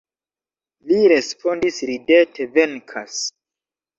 Li respondis ridete, venkas.